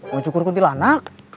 mau cukur kuntilanak